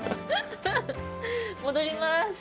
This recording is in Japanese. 戻ります。